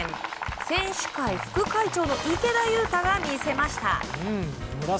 選手会副会長の池田勇太が見せました。